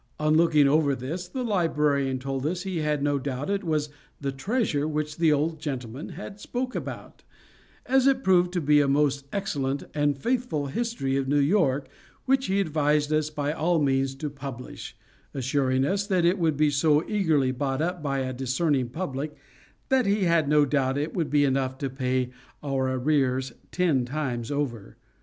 On looking over this, the librarian told us, he had no doubt it was the treasure which the old gentleman had spoke about; as it proved to be a most excellent and faithful History of New York, which he advised us by all means to publish; assuring us that it would be so eagerly bought up by a discerning public, that he had no doubt it would be enough to pay our arrears ten times over.